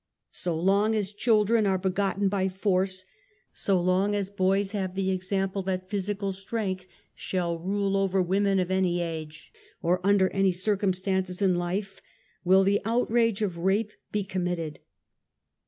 o So long as children are begotten by force, so long as boys have the example that physical strength shall rule over women of any age or under any circum stances in life, will the outrage of rape be commit ted.